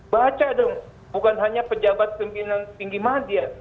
baca dong bukan hanya pejabat pimpinan tinggi media